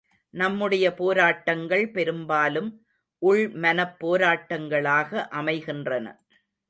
நம்முடைய போராட்டங்கள் பெரும்பாலும் உள் மனப் போராட்டங்களாக அமைகின்றன.